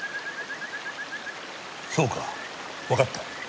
そうかわかった。